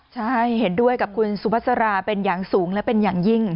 ใช่เห็นด้วยกับคุณสุภาษาราเป็นอย่างสูงและเป็นอย่างยิ่ง